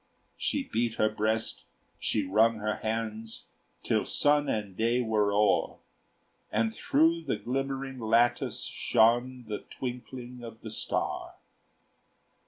She beat her breast, she wrung her hands Till sun and day were o'er, And through the glimmering lattice shone The twinkling of the star.